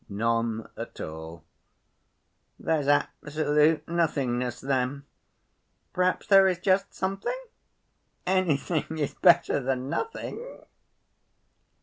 "None at all." "There's absolute nothingness then. Perhaps there is just something? Anything is better than nothing!"